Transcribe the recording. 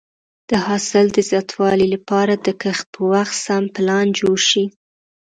د حاصل د زیاتوالي لپاره د کښت په وخت سم پلان جوړ شي.